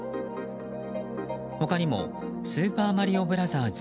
他にも「スーパーマリオブラザーズ」